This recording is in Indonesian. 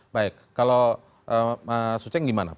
baik kalau su cheng gimana pendakwa